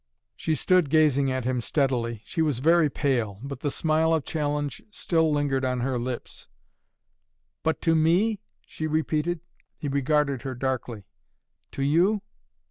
She stood, gazing at him steadily. She was very pale, but the smile of challenge still lingered on her lips. "But to me?" she repeated. He regarded her darkly. "To you?